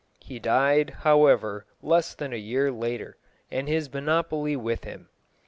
He died, however, less than a year later, and his monopoly with him.